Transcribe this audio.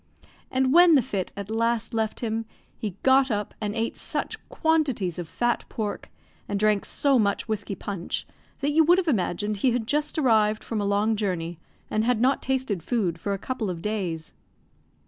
And when the fit at last left him, he got up, and ate such quantities of fat pork, and drank so much whiskey punch, that you would have imagined he had just arrived from a long journey, and had not tasted food for a couple of days.